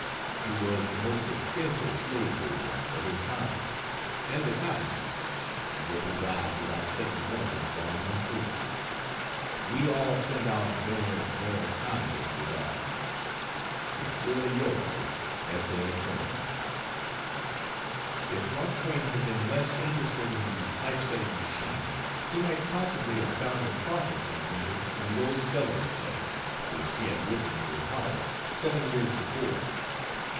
He was the most extensive slave holder of his time, and the kindest; and yet he died without setting one of his bondmen free. We all send our very, very kindest regards. Sincerely yours S. L. CLEMENS. If Mark Twain had been less interested in the type setting machine he might possibly have found a profit that winter in the old Sellers play, which he had written with Howells seven years before.